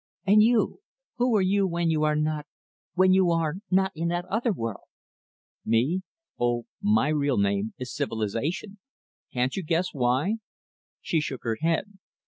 "And you? Who are you when you are not when you are not in that other world?" "Me? Oh, my real name is 'Civilization'. Can't you guess why?" She shook her head.